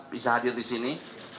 bisa hadir disini